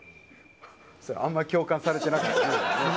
あんまり共感されてなかったね今ね。